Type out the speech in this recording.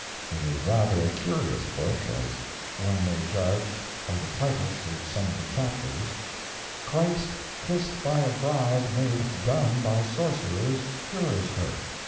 It is rather a curious book, as one may judge by the titles to some of the chapters: "Christ kissed by a bride made dumb by sorcerers, cures her.